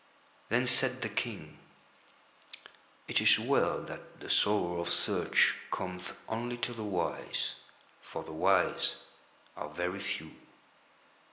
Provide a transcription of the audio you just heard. Then said the King: "It is well that the sorrow of search cometh only to the wise, for the wise are very few."